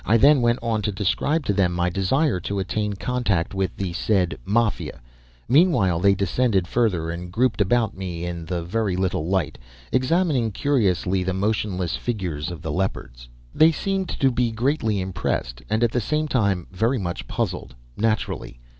I then went on to describe to them my desire to attain contact with the said Mafia; meanwhile they descended further and grouped about me in the very little light, examining curiously the motionless figures of the Leopards. They seemed to be greatly impressed; and at the same time, very much puzzled. Naturally.